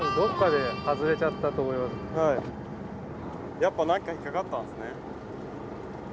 やっぱ何か引っ掛かったんすね。